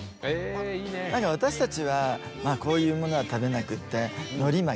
私たちはこういうものは食べなくってのり巻き。